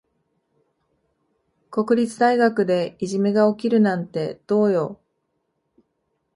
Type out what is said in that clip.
国立大学でいじめが起きるなんてどうよ。